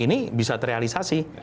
ini bisa terrealisasi